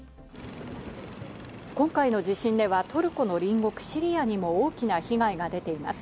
今回の地震では、トルコの隣国シリアにも大きな被害が出ています。